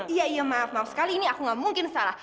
iya iya maaf maaf sekali ini aku nggak mungkin salah